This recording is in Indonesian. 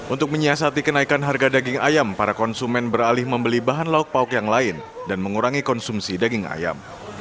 untuk menyiasati kenaikan harga daging ayam para konsumen beralih membeli bahan lauk pauk yang lain dan mengurangi konsumsi daging ayam